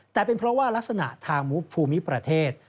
แต่เป็นเพราะว่ารักษณะทางภูมิประเทศ